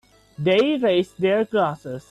They raise their glasses.